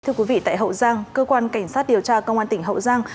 thưa quý vị tại hậu giang cơ quan cảnh sát điều tra công an tỉnh hậu giang